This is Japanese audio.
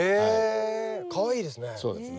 かわいいですね。